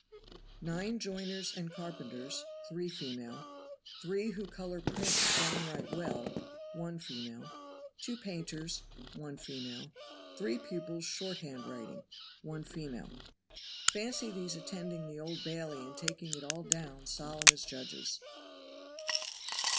Nine joiners and carpenters, 3 female; 3 who color prints downright well, 1 female; 2 painters, 1 female; 3 pupils shorthand writing, 1 female. [Fancy these attending the Old Bailey and taking it all down solemn as judges.